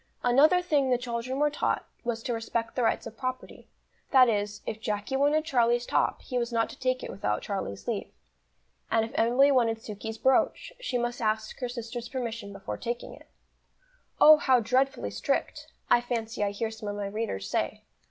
Another thing the children were taught, was to respect the rights of property; that is, if Jacky wanted Charlie's top, he was not to take it without Charlie's leave; and if Emily wanted Sukey's brooch, she must ask her sister's permission before taking it. "Oh, how dreadfully strict!" I fancy I hear some of my readers say.